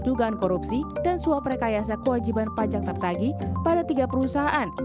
dugaan korupsi dan suap rekayasa kewajiban pajak tertagi pada tiga perusahaan